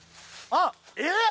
あっえっ